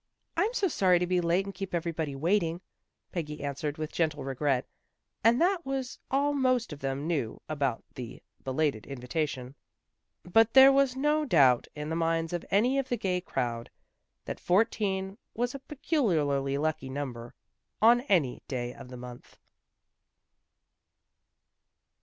" I'm so sorry to be late and keep everybody waiting," Peggy answered with gentle regret, and that was all most of them knew about the belated invitation. But there was no doubt in the minds of any of the gay crowd that fourteen was a peculiarly lucky number, on any day of the month.